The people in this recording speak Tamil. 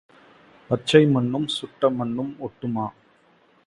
பச்சை மண்ணும் சுட்டமண்ணும் ஒட்டுமா?